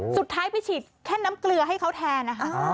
สุดท้ายไปฉีดแค่น้ำเกลือให้เขาแทนนะคะ